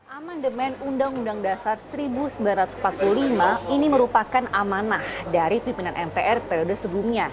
amandemen undang undang dasar seribu sembilan ratus empat puluh lima ini merupakan amanah dari pimpinan mpr periode sebelumnya